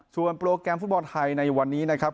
ส่วนโปรแกรมฟุตบอลไทยในวันนี้นะครับ